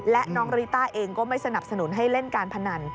และน้องริต้าเองก็ไม่สนับสนุนให้เล่นการพนัน